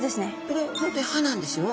これ本当に歯なんですよ。